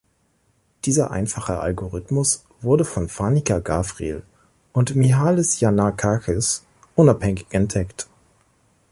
Dieser einfache Algorithmus wurde von Fanica Gavril und Mihalis Yannakakis unabhängig entdeckt.